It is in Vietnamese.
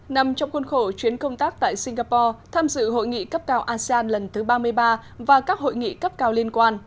nằm trong khuôn khổ chuyến công tác tại singapore tham dự hội nghị cấp cao asean lần thứ ba mươi ba và các hội nghị cấp cao liên quan